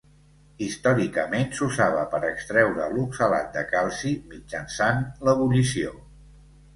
Històricament s'usava per extreure l'oxalat de calci, mitjançant l'ebullició.